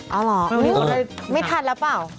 อ๋อเหรอไม่ทันแล้วเปล่า